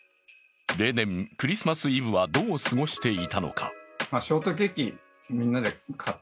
例年クリスマスイブはどう過ごしていたのか。